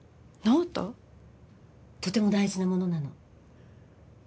とても大事なものなの。